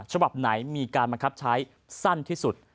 ฉบับไหนมีการบังคับใช้สั้นที่สุด